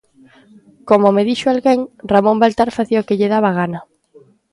Como me dixo alguén: "Ramón Baltar facía o que lle daba a gana".